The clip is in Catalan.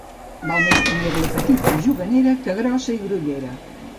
Val més tenir-la petita i juganera, que grossa i grollera.